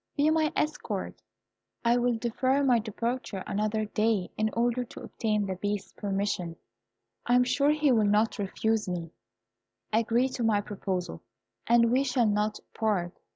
Be my escort. I will defer my departure another day, in order to obtain the Beast's permission. I am sure he will not refuse me. Agree to my proposal, and we shall not part.